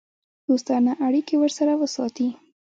دوستانه اړیکې ورسره وساتي.